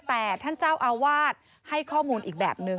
แต่ท่านเจ้าอาวาสให้ข้อมูลอีกแบบนึง